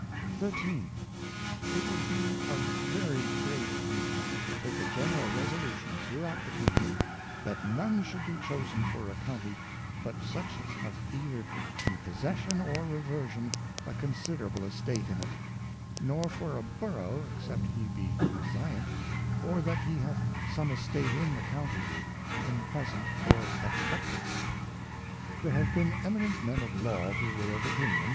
XIII. It would be of very great use to take a general Resolution throughout the Kingdom, That none should be chosen for a County but such as have either in Possession, or Reversion, a considerable Estate in it ; nor for a Burrougb, except he be Resiant, or that he hath some Estate in the County, in present or Expectancy. There have been Eminent Men of Law who were of opinion.